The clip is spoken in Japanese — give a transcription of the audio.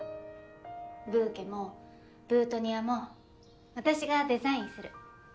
ブーケもブートニアも私がデザインする。